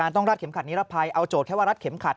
รัดเข็มขัดนิรภัยเอาโจทย์แค่ว่ารัดเข็มขัด